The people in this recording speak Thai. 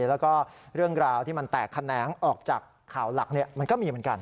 แล้วก็เรื่องราวที่มันแตกแขนงออกจากข่าวหลักมันก็มีเหมือนกัน